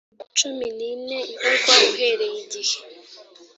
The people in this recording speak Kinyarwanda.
cumi n ine ibarwa uhereye igihe